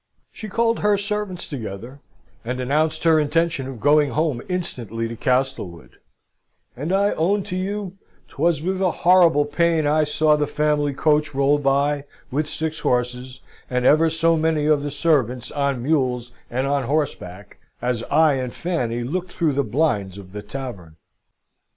She called her servants together, and announced her intention of going home instantly to Castlewood; and I own to you 'twas with a horrible pain I saw the family coach roll by, with six horses, and ever so many of the servants on mules and on horseback, as I and Fanny looked through the blinds of the Tavern.